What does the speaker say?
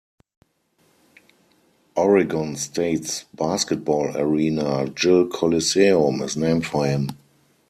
Oregon State's basketball arena, Gill Coliseum, is named for him.